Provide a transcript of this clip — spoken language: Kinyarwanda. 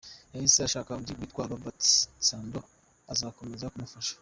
Yahise ashaka undi witwa Albert Msando uzakomeza kumufasha.